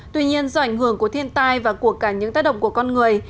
tuy nhiên do ảnh hưởng của thiên tài và của cả những tác động của con người